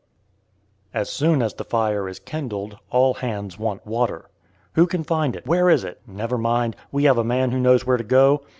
As soon as the fire is kindled all hands want water. Who can find it? Where is it? Never mind; we have a man who knows where to go.